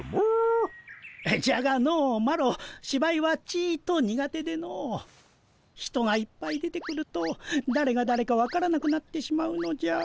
じゃがのうマロしばいはちと苦手での人がいっぱい出てくるとだれがだれか分からなくなってしまうのじゃ。